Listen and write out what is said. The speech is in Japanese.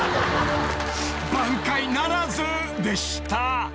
［挽回ならずでした］